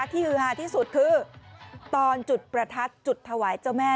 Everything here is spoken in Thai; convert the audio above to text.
ฮือฮาที่สุดคือตอนจุดประทัดจุดถวายเจ้าแม่